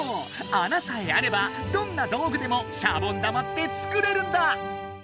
穴さえあればどんな道具でもシャボン玉って作れるんだ！